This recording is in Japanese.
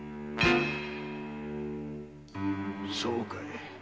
そうかい。